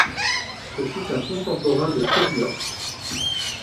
Ce fut un contemporain de Crazy Horse.